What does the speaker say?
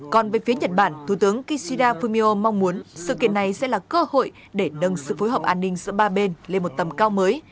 còn về phía nhật bản thủ tướng kishida fumio mong muốn sự kiện này sẽ là cơ hội để nâng sự phối hợp an ninh giữa ba bên lên một tầm cao mới